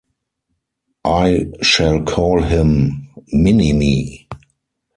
I shall call him... Mini-Me.